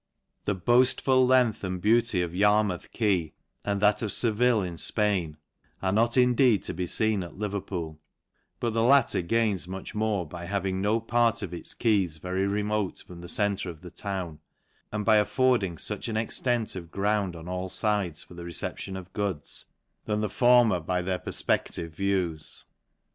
The boaft 1 length and beauty of Yarmouth quay, and that of 'hvilk in Spaing are not indeed to be feen at Ltvcr Jw/5 but the latter gains much more, by having no I irt of its quays vary remote from the center of the *>wii, and by affording fuch an extent of ground Ji all fides for the reception of goods, than the for mer by their perfpeclive views.